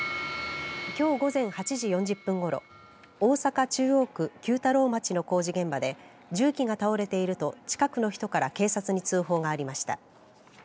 きょう午前８時４０分ごろ大阪中央区久太郎町の工事現場で重機が倒れていると近くの人から警察に通報がありました。